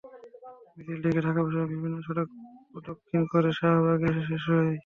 মিছিলটি ঢাকা বিশ্ববিদ্যালয়ের বিভিন্ন সড়ক প্রদক্ষিণ করে শাহবাগে এসে শেষ হয়।